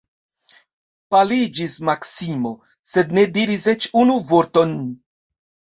Paliĝis Maksimo, sed ne diris eĉ unu vorton.